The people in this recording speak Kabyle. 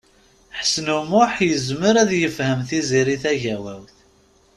Ḥsen U Muḥ yezmer ad yefhem Tiziri Tagawawt.